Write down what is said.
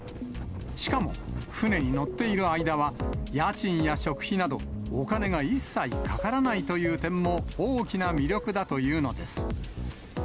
しかも、船に乗っている間は、家賃や食費など、お金が一切かからないという点も大きな魅力だというのです。